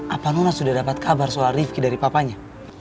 apa nona sudah dapat kabar soal rifki dari papanya